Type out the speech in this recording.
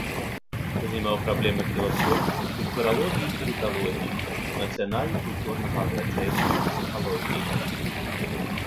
Узнімаў праблемы філасофіі, культуралогіі і паліталогіі, нацыянальна-культурнага адраджэння, псіхалогіі.